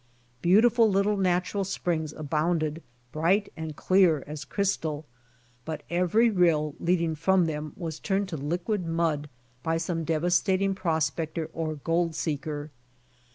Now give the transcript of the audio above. Beautiful little natural springs abounded, bright and clear, as crys tal; but every rill leading from them was turned to liquid mud by some devastating prospector or gold seeker.